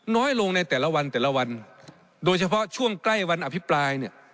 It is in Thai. น้อยลงในแต่ละวันแต่ละวันโดยเฉพาะช่วงใกล้วันอภิปรายเนี่ย